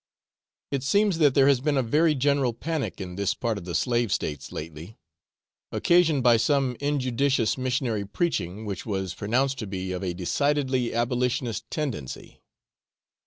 It seems that there has been a very general panic in this part of the slave states lately, occasioned by some injudicious missionary preaching, which was pronounced to be of a decidedly abolitionist tendency.